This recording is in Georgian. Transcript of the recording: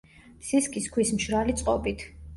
სისქის ქვის მშრალი წყობით.